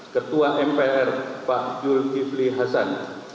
ketua mpr pak jul givli hasan